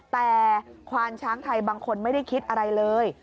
แต่ควานช้างไทยบางคนไม่ได้คิดอะไรเลย